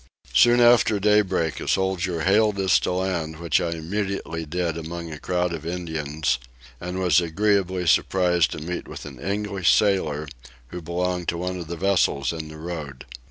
Soon after daybreak a soldier hailed us to land, which I immediately did among a crowd of Indians, and was agreeably surprised to meet with an English sailor who belonged to one of the vessels in the road.